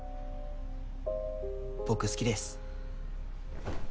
僕好きです。